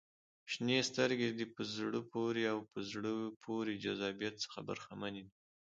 • شنې سترګې د په زړه پورې او په زړه پورې جذابیت څخه برخمنې دي.